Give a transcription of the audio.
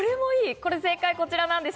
これ、正解はこちらなんです。